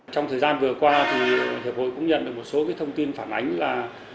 trong thời gian vừa qua thì hiệp hội cũng nhận được một số thông tin phản ánh là